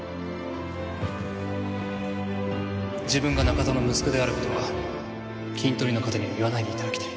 自分が中田の息子である事はキントリの方には言わないで頂きたい。